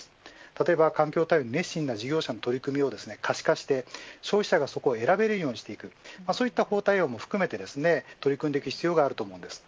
例えば環境対応に熱心な事業者の取り組みを可視化して消費者がそこを選べるようにするそうした法対応も含め取り組んでいく必要があります。